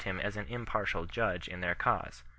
him as an impartial judge in their cause.